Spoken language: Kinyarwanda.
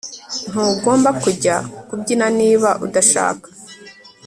Ntugomba kujya kubyina niba udashaka